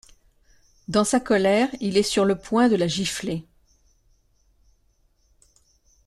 Dans sa colère, il est sur le point de la gifler.